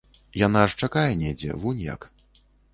Яна ж чакае недзе, вунь як!